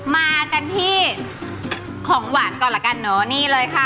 มากันที่ของหวานก่อนละกันเนอะนี่เลยค่ะ